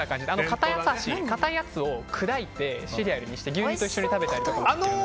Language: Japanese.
硬いやつを砕いてシリアルにして牛乳と一緒に食べたりとか。